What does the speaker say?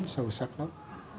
sâu sắc lắm